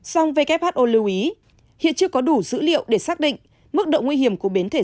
song who lưu ý hiện chưa có đủ dữ liệu để xác định mức độ nguy hiểm của biến thể